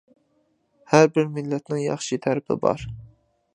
ھەر بىر مىللەتنىڭ ياخشى تەرىپى بار.